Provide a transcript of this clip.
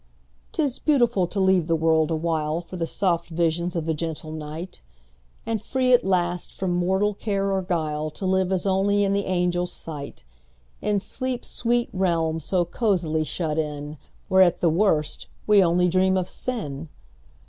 'T is beautiful to leave the world awhileFor the soft visions of the gentle night; And free, at last, from mortal care or guile, To live as only in the angels' sight, In sleep's sweet realm so cosily shut in, Where, at the worst, we only dream of sin!